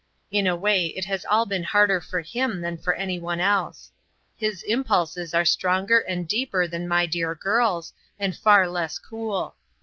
In a way it has all been harder for him than for any one else. His impulses are stronger and deeper than my dear girl's, and far less cool.